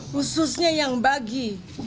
khususnya yang bagi